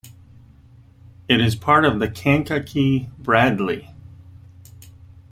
It is part of the Kankakee-Bradley.